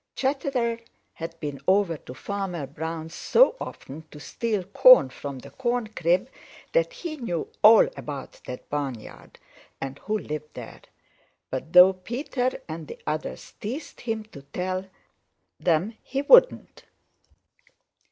Chatterer had been over to Farmer Brown's so often to steal corn from the corn crib that he knew all about that barnyard and who lived there. But though Peter and the others teased him to tell them he wouldn't.